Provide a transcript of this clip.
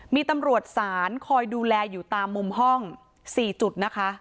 มีตำรวจศาลคอยดูแลอยู่ตามมุมห้อง๔จุดนะคะ